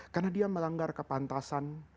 karena dia melanggar kepantasan